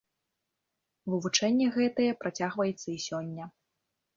Вывучэнне гэтае працягваецца і сёння.